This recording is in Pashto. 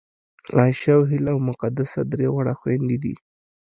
عایشه او هیله او مقدسه درې واړه خوېندې دي